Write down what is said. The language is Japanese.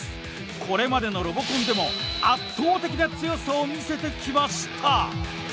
これまでのロボコンでも圧倒的な強さを見せてきました。